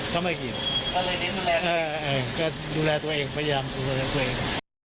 ก็ไม่ขีดก็ดูแลตัวเองพยายามดูแลตัวเอง